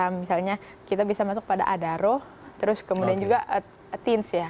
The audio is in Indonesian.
misalnya kita bisa masuk pada adaro terus kemudian juga tins ya